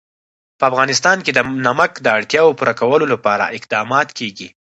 په افغانستان کې د نمک د اړتیاوو پوره کولو لپاره اقدامات کېږي.